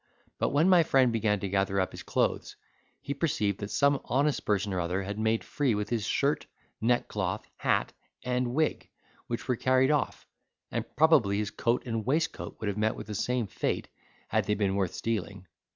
But when my friend began to gather up his clothes, he perceived that some honest person or other had made free with his shirt, neckcloth, hat, and wig, which were carried off; and probably his coat and waistcoat would have met with the same fate, had they been worth stealing.